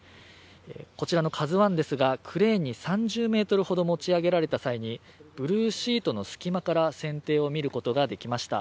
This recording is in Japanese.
こちらの「ＫＡＺＵⅠ」ですがクレーンに３０ｍほど持ち上げられた際にブルーシートの隙間から船底を見ることができました。